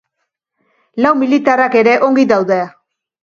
Lau militarrak ere ongi daude.